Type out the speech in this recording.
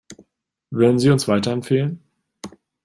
Würden Sie uns weiterempfehlen?